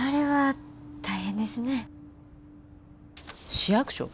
市役所？